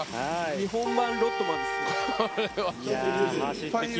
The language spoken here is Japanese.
日本版ロッドマンですね。